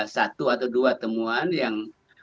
satu atau dua temuan yang